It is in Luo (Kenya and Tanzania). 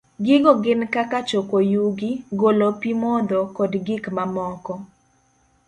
Gigo gin kaka choko yugi, golo pi modho, kod gik mamoko.